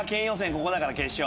ここだから決勝。